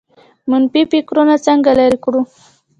منفي فکرونه څنګه لرې کړو؟